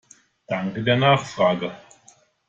Danke der Nachfrage!